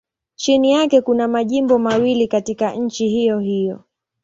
Chini yake kuna majimbo mawili katika nchi hiyohiyo.